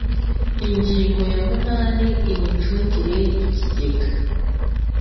Ingingo ya munani Imicungire y Ikigega